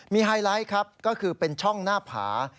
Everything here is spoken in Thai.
มีไฮไลท์ครับก็คือเป็นช่องหน้าผา